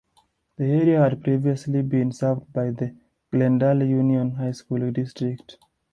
The area had previously been served by the Glendale Union High School District.